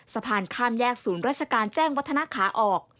สะพานข้ามแยกศูนย์ราชการแจ้งวัฒนาขาออก